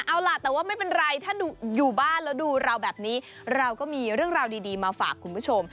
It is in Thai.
เอาล่ะแต่ว่าไม่เป็นไรถ้าอยู่บ้านแล้วดูเราแบบนี้เราก็มีเรื่องราวดีมาฝากคุณผู้ชม